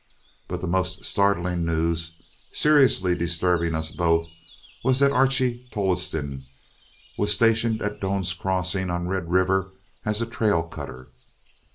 But the most startling news, seriously disturbing us both, was that Archie Tolleston was stationed at Doan's Crossing on Red River as a trail cutter.